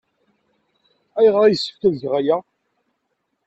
Ayɣer ay yessefk ad geɣ aya?